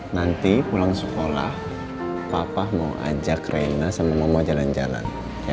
nanti pulang sekolah papa mau ajak rena sama mau jalan jalan